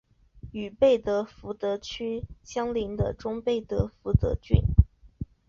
与贝德福德区相邻的中贝德福德郡。